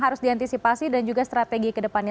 harus diantisipasi dan juga strategi kedepannya